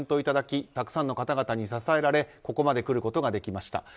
たくさんの方々に支えられここまで来ることができました。